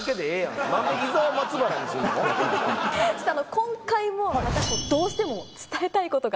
今回もどうしても伝えたいことが。